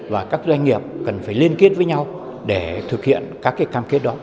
và các doanh nghiệp cần phải liên kết với nhau để thực hiện các cái can kết đó